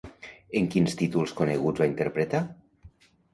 En quins títols coneguts va interpretar?